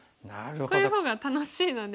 こういう方が楽しいので。